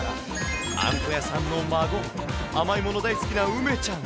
あんこ屋さんの孫、甘いもの大好きな梅ちゃん。